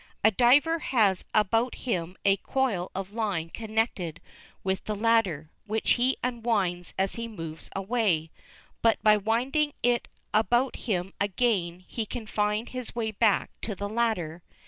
A diver has about him a coil of line connected with the ladder, which he unwinds as he moves away; but by winding it about him again, he can find his way back to the ladder.